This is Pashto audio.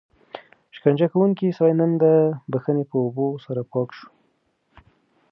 شکنجه کوونکی سړی نن د بښنې په اوبو سره پاک شو.